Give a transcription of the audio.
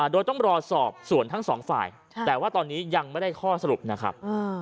โดยต้องรอสอบส่วนทั้งสองฝ่ายแต่ว่าตอนนี้ยังไม่ได้ข้อสรุปนะครับ